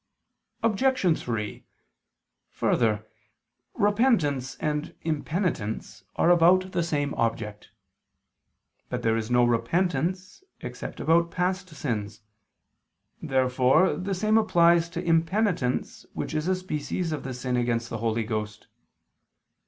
Obj. 3: Further, repentance and impenitence are about the same object. But there is no repentance, except about past sins. Therefore the same applies to impenitence which is a species of the sin against the Holy Ghost.